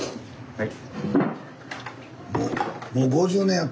はい。